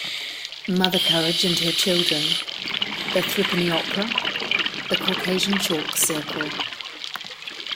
"Mother Courage and Her Children", "The Threepenny Opera", "The Caucasian Chalk Circle".